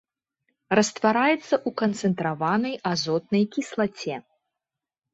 Раствараецца ў канцэнтраванай азотнай кіслаце.